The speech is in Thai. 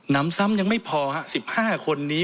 นำซ้ำยังไม่พอ๑๕คนนี้